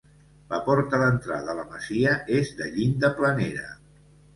La porta d'entrada a la masia és de llinda planera.